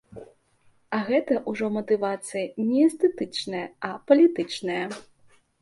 А гэта ўжо матывацыя не эстэтычная, а палітычная.